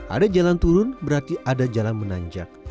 ada jalan turun berarti ada jalan menanjak